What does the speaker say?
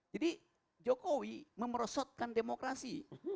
jadi jokowi merosotkan demokrasi